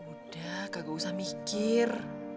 udah gak usah mikir